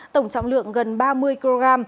tổng trọng lượng gần ba mươi kg